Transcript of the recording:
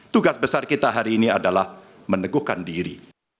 tugas besar kita hari ini adalah meneguhkan diri